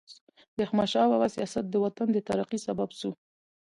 د احمدشاه بابا سیاست د وطن د ترقۍ سبب سو.